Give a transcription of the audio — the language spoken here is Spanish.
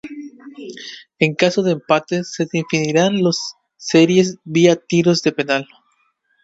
En caso de empates, se definirán las series via tiros penales.